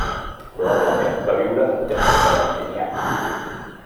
Probablement va viure en temps de Valentinià.